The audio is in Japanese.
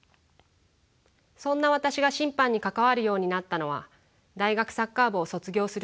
そんな私が審判に関わるようになったのは大学サッカー部を卒業する時。